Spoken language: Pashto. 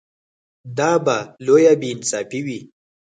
دا به لویه بې انصافي وي.